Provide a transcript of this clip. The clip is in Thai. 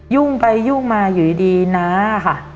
ยุ่งไปยุ่งมาอยู่ดีน้าค่ะ